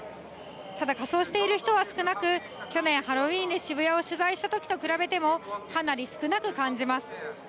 ただ、仮装している人は少なく、去年、ハロウィーンで渋谷を取材したときと比べても、かなり少なく感じます。